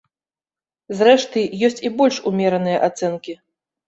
Зрэшты, ёсць і больш умераныя ацэнкі.